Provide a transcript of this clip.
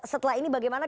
setelah ini bagaimana